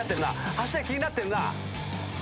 柱気になってるな。